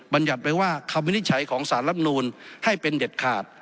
ยัติไว้ว่าคำวินิจฉัยของสารรับนูลให้เป็นเด็ดขาด